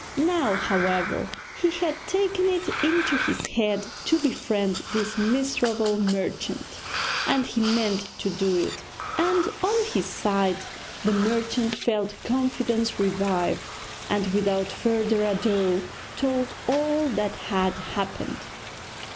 Now, however, he had taken it into his head to befriend this miserable merchant, and he meant to do it; and on his side the merchant felt confidence revive, and without further ado told all that had happened.